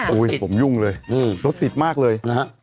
โอ้ยผมยุ่งเลยรถติดมากเลย